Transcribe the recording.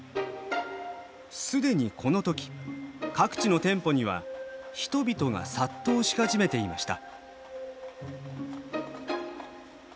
既にこの時各地の店舗には人々が殺到し始めていました。